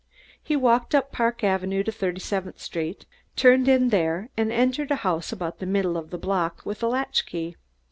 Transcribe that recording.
He walked on up Park Avenue to Thirty seventh Street, turned in there and entered a house about the middle of the block, with a latch key.